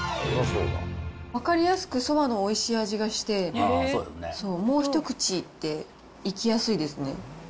分かりやすくそばのおいしい味がして、もう一口っていきやすいですね。